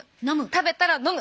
食べたら飲む！